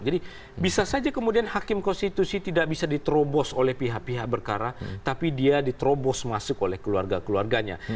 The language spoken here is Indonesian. jadi bisa saja kemudian hakim konstitusi tidak bisa diterobos oleh pihak pihak berkara tapi dia diterobos masuk oleh keluarga keluarganya